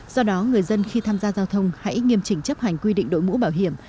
do đó người dân khi tham gia giao thông hãy nghiêm trình chấp hành quy định đội mũ bảo hiểm